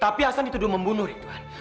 tapi hasan dituduh membunuh ridwan